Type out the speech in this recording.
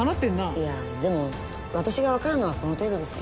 いやでも私が分かるのはこの程度ですよ。